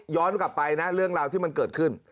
กลับไปนะเรื่องราวที่มันเกิดขึ้น